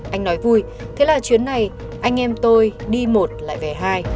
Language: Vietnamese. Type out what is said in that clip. anh nói vui thế là chuyến này anh em tôi đi một lại về hai